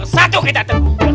satu kita teguk